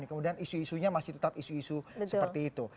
kemudian isu isunya masih tetap isu isu seperti itu